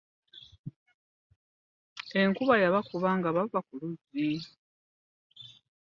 Enkuba yabakuba nga bava ku luzzi.